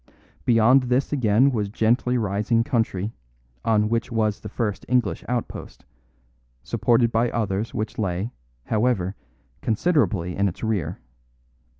Beyond this again was gently rising country, on which was the first English outpost, supported by others which lay, however, considerably in its rear.